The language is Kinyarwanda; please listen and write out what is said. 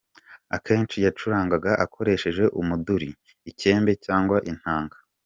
Akenshi yacurangaga akoresheje umuduri, icyembe cyangwa inanga.